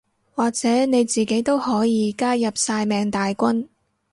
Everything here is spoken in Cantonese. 或者你自己都可以加入曬命大軍